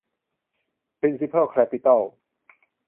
พริ้นซิเพิล แคปิตอล